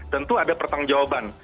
tentu ada pertang jawaban